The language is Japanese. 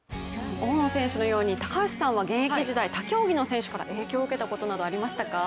大野選手のように高橋さんは現役時代他競技の選手から影響を受けたことなどありましたか？